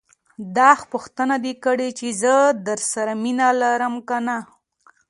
داح پوښتنه دې کړې چې زه درسره مينه لرم که نه.